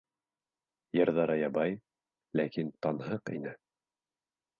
Йырҙары ябай, ләкин танһыҡ ине.